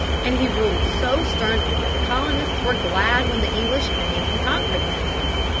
And he ruled so sternly that the colonists were glad when the English came and conquered them.